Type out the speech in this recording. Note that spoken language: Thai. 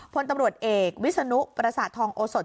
พลตำรวจเอกวิศนุประสาททองโอสด